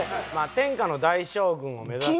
天下の大将軍を目指す。